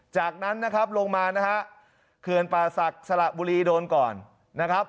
จากนั้นนะครับลงมานะฮะเขื่อนป่าศักดิ์สละบุรีโดนก่อนนะครับ